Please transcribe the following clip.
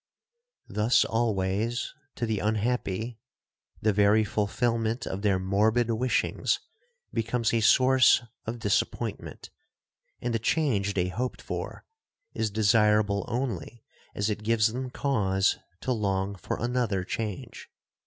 'Thus always, to the unhappy, the very fulfilment of their morbid wishings becomes a source of disappointment, and the change they hoped for is desirable only as it gives them cause to long for another change.